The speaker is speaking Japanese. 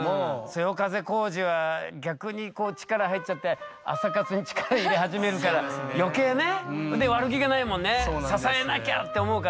そよ風皓史は逆にこう力入っちゃって朝活に力入れ始めるから余計ねで悪気がないもんね支えなきゃって思うから。